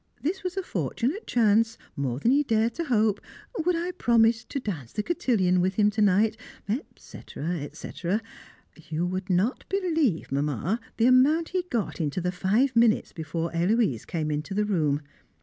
This was a fortunate chance more than he had dared to hope would I promise to dance the cotillon with him to night? etc., etc. You would not believe, Mamma, the amount he got into the five minutes before Héloise came into the room.